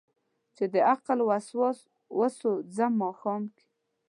چې دعقل وسواس وسو ځم ماښام کې